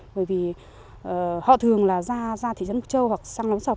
bởi vì họ thường là ra thị trấn bục châu hoặc sang lóng sọc